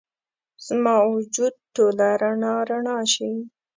زما وجود ټوله رڼا، رڼا شي